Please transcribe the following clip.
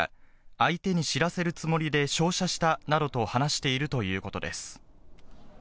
相手に知らせるつもりで照射したなどと話しているということです。